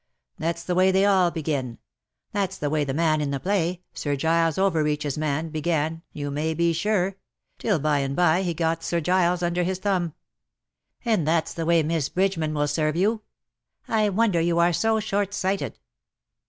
That^s the way they all begin — that's the way the man in the play^ Sir Giles Overreach's man, began, you may be sure — till by and by he got Sir Giles under his thumb. And that's the way Miss Bridgeman will serve you. I wonder you are so short sighted